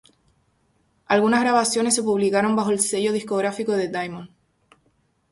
Algunas grabaciones se publicaron bajo el sello discográfico de Diamond.